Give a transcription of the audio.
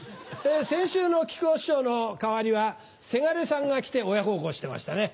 先週の木久扇師匠の代わりはせがれさんが来て親孝行してましたね。